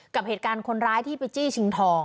กับเหตุการณ์คนร้ายที่ไปจี้ชิงทอง